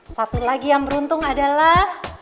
satu lagi yang beruntung adalah